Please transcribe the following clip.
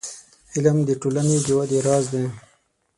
• علم، د ټولنې د ودې راز دی.